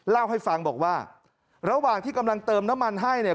เล่าให้ฟังบอกว่าระหว่างที่กำลังเติมน้ำมันให้เนี่ย